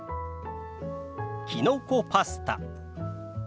きのこパスタ。